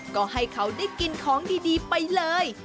ก็ให้เขาได้กินของดีไปเลย